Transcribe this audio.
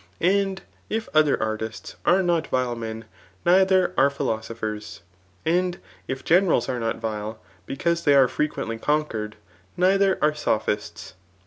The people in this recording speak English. And if other artists are not vile men, neither are philoaophecs. * And if generals are not vile, because they ate frequendy conquered, neither are soi^ists.